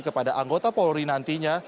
kepada anggota polri nantinya